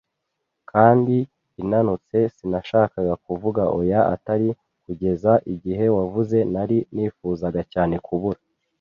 kandi inanutse. Sinashakaga kuvuga; oya, atari kugeza igihe wavuze. Nari nifuzaga cyane kubura